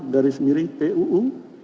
garis miring puu